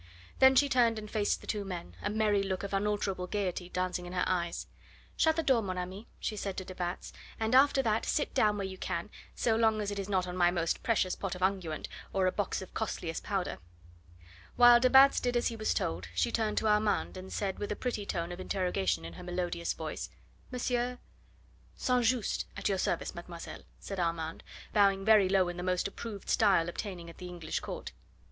Then she turned and faced the two men, a merry look of unalterable gaiety dancing in her eyes. "Shut the door, mon ami," she said to de Batz, "and after that sit down where you can, so long as it is not on my most precious pot of unguent or a box of costliest powder." While de Batz did as he was told, she turned to Armand and said with a pretty tone of interrogation in her melodious voice: "Monsieur?" "St. Just, at your service, mademoiselle," said Armand, bowing very low in the most approved style obtaining at the English Court.